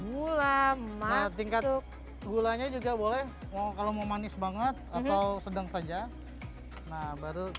gula tingkat gulanya juga boleh mau kalau mau manis banget atau sedang saja nah baru